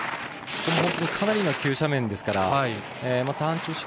かなりの急斜面ですからターン中